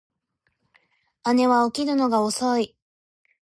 姉は起きるのが遅い